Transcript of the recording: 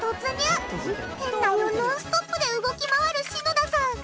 店内をノンストップで動き回る篠田さん。